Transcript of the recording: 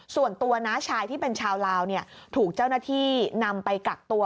น้าชายที่เป็นชาวลาวถูกเจ้าหน้าที่นำไปกักตัว